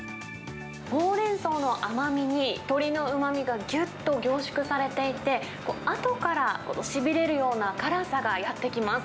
ホウレンソウの甘みに鶏のうまみがぎゅっと凝縮されていて、あとからしびれるような辛さがやって来ます。